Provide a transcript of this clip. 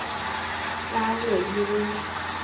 拉热伊翁。